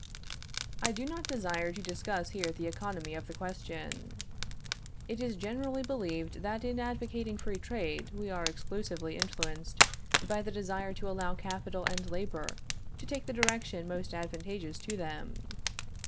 I do not desire to discuss here the economy of the question. It is generally believed that in advocating free trade we are exclusively influenced by the desire to allow capital and labor to take the direction most advantageous to them.